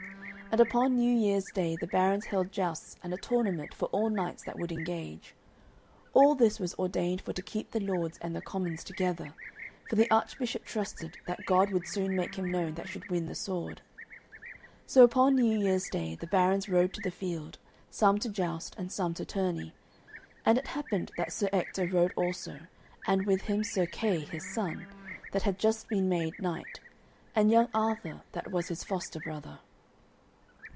And upon New Year's Day the barons held jousts and a tournament for all knights that would engage. All this was ordained for to keep the lords and the commons together, for the Archbishop trusted that God would soon make him known that should win the sword. So upon New Year's Day the barons rode to the field, some to joust and some to tourney; and it happened that Sir Ector rode also, and with him Sir Kay, his son, that had just been made knight, and young Arthur that was his foster brother.